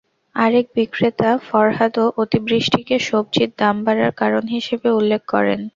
আরেক বিক্রেতা ফরহাদও অতিবৃষ্টিকে সবজির দাম বাড়ার কারণ হিসেবে উল্লেখ করেন।